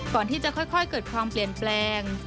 ก่อนที่จะค่อยเกิดความเปลี่ยนแปลง